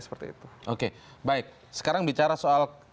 seperti itu oke baik sekarang bicara soal